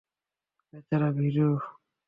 বেচারা, ভিরু!